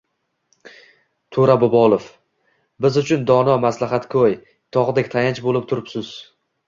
To‘ra Bobolov: Biz uchun dono maslahatgo‘y, tog‘dek tayanch bo‘lib turibsiz